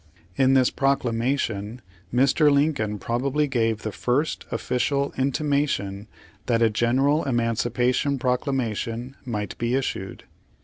In this proclamation Mr. Lincoln probably gave the first official intimation that a general emancipation proclamation might be issued.